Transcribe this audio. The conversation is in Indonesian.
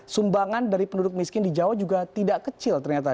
sumbangan dari penduduk miskin di jawa juga tidak kecil ternyata